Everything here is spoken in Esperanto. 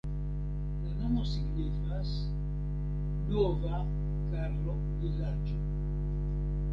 La nomo signifas "Nova karlo-vilaĝo".